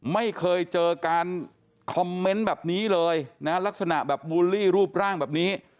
ไม่เคยเจอการคอมเมนต์แบบนี้เลยนะลักษณะแบบบูลลี่รูปร่างแบบนี้